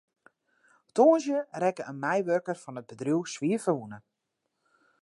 Tongersdei rekke in meiwurker fan it bedriuw swierferwûne.